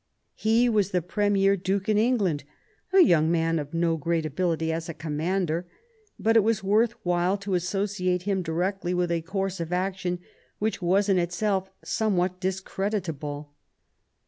He was the premier Duke in England, a young man of no great ability as a commander ; but it was worth while to associate him directly with a course of action which was in itself somewhat discreditable.